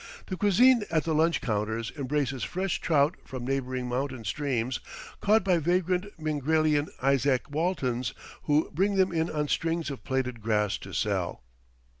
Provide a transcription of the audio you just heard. The cuisine at the lunch counters embraces fresh trout from neighboring mountain streams, caught by vagrant Mingrelian Isaac Waltons, who bring them in on strings of plaited grass to sell.